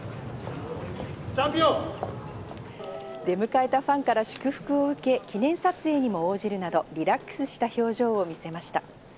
出迎えたファンから祝福を受け、記念撮影に応じるなど、リラックスした表情を見せました。